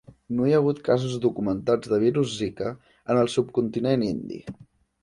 No hi ha hagut casos documentats de virus Zika en el subcontinent indi.